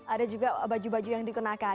ada juga baju baju yang digunakan